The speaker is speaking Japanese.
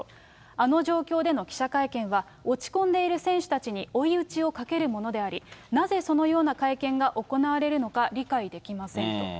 あの状況での記者会見は、落ち込んでいる選手たちに追い打ちをかけるものであり、なぜ、そのような会見が行われるのか理解できませんと。